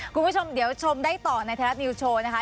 คุณผู้ชมเดี๋ยวชมได้ต่อในไทยรัฐนิวส์โชว์นะคะ